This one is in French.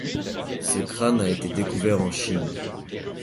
Ce crâne a été découvert en Chine.